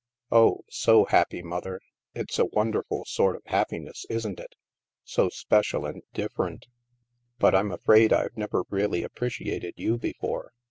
" Oh, so happy. Mother; it's a wonderful sort of happiness, isn't it? So special and different. But I'm afraid I've never really appreciated you before.